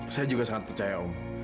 saya juga sangat percaya